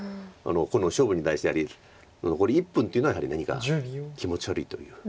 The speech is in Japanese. この勝負に対してやはり残り１分っていうのはやはり何か気持ち悪いという。